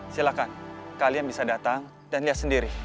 silahkan kalian bisa datang dan lihat sendiri